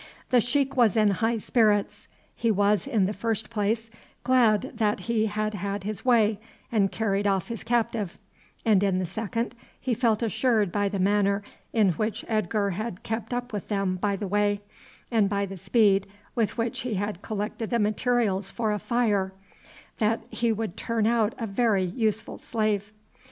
The sheik was in high spirits; he was, in the first place, glad that he had had his way, and carried off his captive; and in the second, he felt assured by the manner in which Edgar had kept up with them by the way, and by the speed with which he had collected the materials for a fire, that he would turn out a very useful slave.